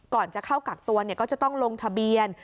ก่อนจะเข้ากักตัวก็จะต้องลงทะเบียน